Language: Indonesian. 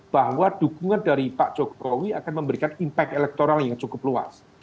bahwa dukungan dari pak jokowi akan memberikan impact elektoral yang cukup luas